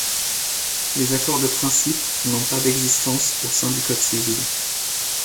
Les accords de principe n'ont pas d'existence au sein du Code civil.